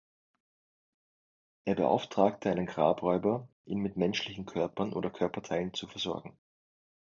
Er beauftragt einen Grabräuber, ihn mit menschlichen Körpern oder Körperteilen zu versorgen.